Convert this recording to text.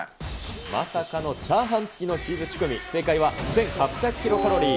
まさかのチャーハン付きのチーズチュクミ、正解は１８００キロカロリー。